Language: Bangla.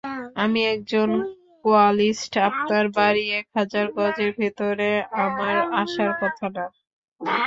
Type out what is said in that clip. আমি একজন কোয়ালিস্ট আপনার বাড়ির এক হাজার গজের ভেতরে আমার আসার কথা না।